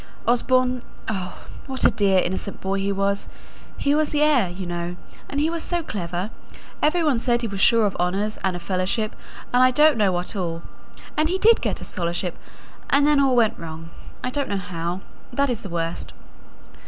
Osborne oh! what a dear, innocent boy he was: he was the heir, you know; and he was so clever, every one said he was sure of honours and a fellowship, and I don't know what all; and he did get a scholarship, and then all went wrong. I don't know how. That is the worst.